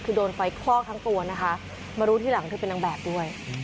คือโดนไฟคลอกทั้งตัวนะคะมารู้ทีหลังเธอเป็นนางแบบด้วย